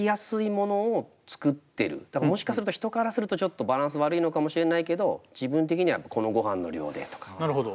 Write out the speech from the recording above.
だからもしかすると人からするとちょっとバランス悪いのかもしれないけど自分的にはこのごはんの量でとか調整しながらやってく。